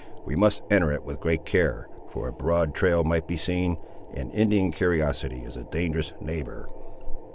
We must enter it with great care, for a broad trail might be seen, and Indian curiosity is a dangerous neighbour."